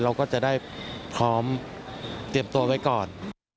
เราก็จะได้พร้อมเตรียมตัวไว้ก่อน